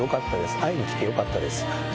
会いに来てよかったです。